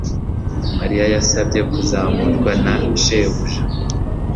Mariya yasabye kuzamurwa na shebuja